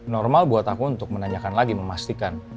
normal buat aku untuk menanyakan lagi memastikan